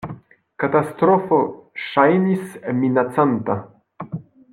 Katastrofo ŝajnis minacanta.